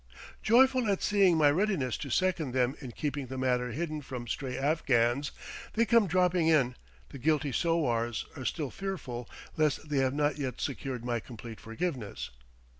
Joyful at seeing my readiness to second them in keeping the matter hidden from stray Afghans that come dropping in, the guilty sowars are still fearful lest they have not yet secured my complete forgiveness.